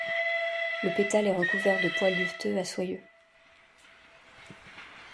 Le pétale est recouvert de poils duveteux à soyeux.